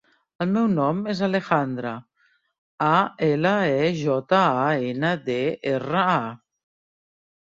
El meu nom és Alejandra: a, ela, e, jota, a, ena, de, erra, a.